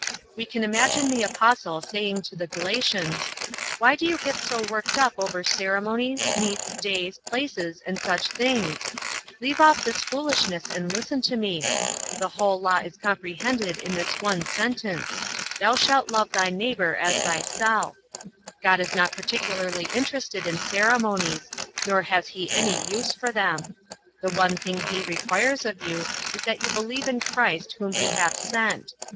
We can imagine the Apostle saying to the Galatians: "Why do you get so worked up over ceremonies, meats, days, places, and such things? Leave off this foolishness and listen to me. The whole Law is comprehended in this one sentence, 'Thou shalt love thy neighbour as thyself.' God is not particularly interested in ceremonies, nor has He any use for them. The one thing He requires of you is that you believe in Christ whom He hath sent.